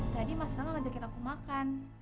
tadi mas rangga ngajakin aku makan